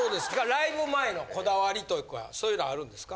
ライブ前のこだわりというかそういうのはあるんですか？